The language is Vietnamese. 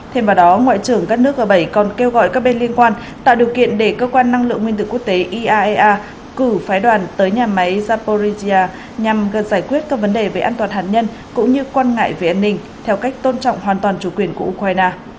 thêm vào đó ngoại trưởng các nước g bảy còn kêu gọi các bên liên quan tạo điều kiện để cơ quan năng lượng nguyên tử quốc tế iaea cử phái đoàn tới nhà máy zaporizhia nhằm giải quyết các vấn đề về an toàn hạt nhân cũng như quan ngại về an ninh theo cách tôn trọng hoàn toàn chủ quyền của ukraine